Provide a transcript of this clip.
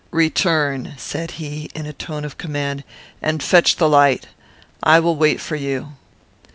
"Return," said he, in a tone of command, "and fetch the light. I will wait for you."